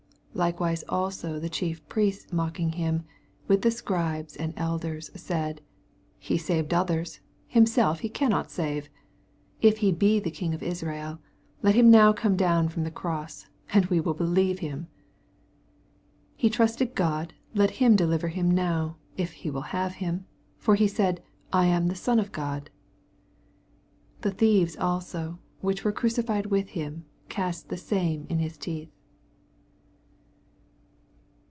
41 Likewise also the Chief Priests mocking himj with the Scribes and elders, said, 42 He saved others; himself he cannot save. If he be the Kin? of Israel, let him now come down from the cross, and wc will believe him. 48 He trusted in God ; let him de liver him now, if he will have him : for he said, I am the Son of God. 44 The thieves also, which weie crucified with him, cast the same in hia teeth.